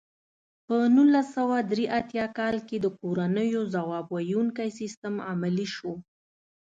په نولس سوه درې اتیا کال کې د کورنیو ځواب ویونکی سیستم عملي شو.